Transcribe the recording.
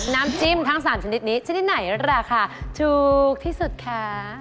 น้ำจิ้มทั้ง๓ชนิดนี้ชนิดไหนราคาถูกที่สุดคะ